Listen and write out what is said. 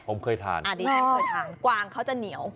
ผมเคยทานเหนียว